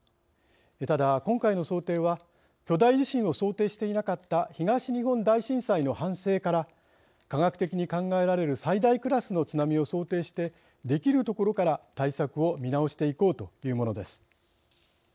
ただ今回の想定は巨大地震を想定していなかった東日本大震災の反省から科学的に考えられる最大クラスの津波を想定してできるところから対策を見直していこうというものです。